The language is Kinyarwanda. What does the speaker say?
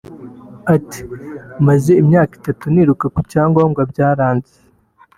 Ati “Maze imyaka itatu niruka ku cyangombwa byaranze